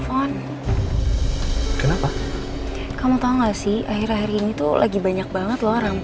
oke sekarang aku harus cari kontaknya di hp mas randy